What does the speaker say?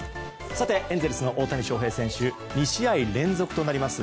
エンゼルスの大谷翔平選手２試合連続となります